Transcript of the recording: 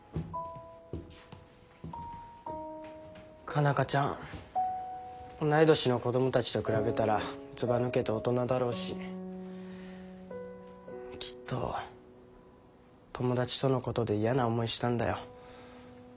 佳奈花ちゃん同い年の子どもたちと比べたらずばぬけて大人だろうしきっと友達とのことで嫌な思いしたんだよ。